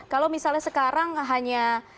kalau misalnya sekarang hanya